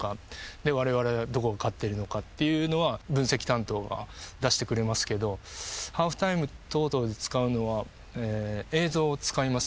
でわれわれはどこが勝ってるのかっていうのは分析担当が出してくれますけどハーフタイム等々で使うのは映像を使います。